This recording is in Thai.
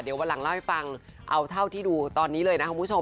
เดี๋ยววันหลังเล่าให้ฟังเอาเท่าที่ดูตอนนี้เลยนะคุณผู้ชม